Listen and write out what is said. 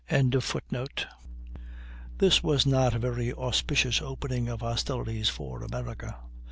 ] This was not a very auspicious opening of hostilities for America.